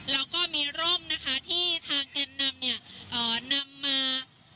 แล้วก็มีร่มนะคะที่ทางแก่นนำเนี่ยนำมา